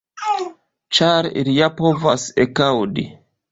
Ĉar ili ja povas ekaŭdi.